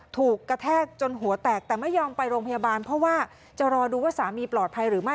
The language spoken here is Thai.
ถูกกระแทกจนหัวแตกแต่ไม่ยอมไปโรงพยาบาลเพราะว่าจะรอดูว่าสามีปลอดภัยหรือไม่